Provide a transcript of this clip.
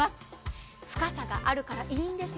深さがあるからいいんですよ。